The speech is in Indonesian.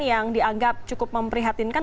yang dianggap cukup memprihatinkan